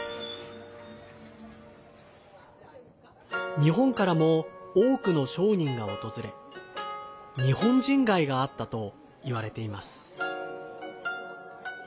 日本からも多くの商人が訪れ日本人街があったといわれています。